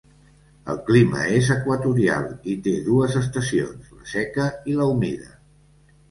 El clima és equatorial i té dues estacions: la seca i la humida.